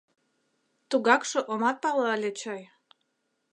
Тугакше омат пале ыле чай.